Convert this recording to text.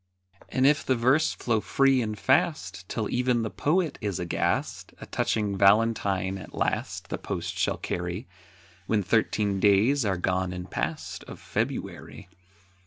And if the verse flow free and fast, Till even the poet is aghast, A touching Valentine at last The post shall carry, When thirteen days are gone and past Of February.